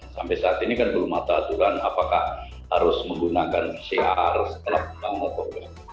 sampai saat ini kan belum ada aturan apakah harus menggunakan pcr setelah penerbangan